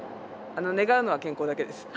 願うのは健康だけです。